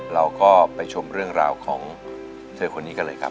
เราก็ไปชมเรื่องราวของเธอคนนี้กันเลยครับ